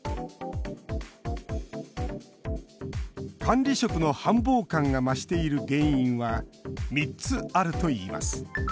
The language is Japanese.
管理職の繁忙感が増している原因は３つあるといいます。